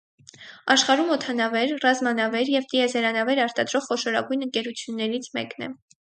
Աշխարհում օդանավեր, ռազմանավեր և տիեզերանավեր արտադրող խոշորագույն ընկերություններից մեկն է։